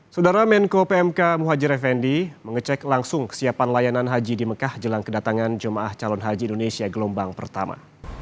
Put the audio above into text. saudara menko pmk muhajir effendi mengecek langsung kesiapan layanan haji di mekah jelang kedatangan jemaah calon haji indonesia gelombang pertama